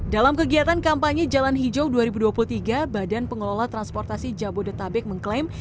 dalam kegiatan kampanye jalan hijau dua ribu dua puluh tiga badan pengelola transportasi jabodetabek mengklaim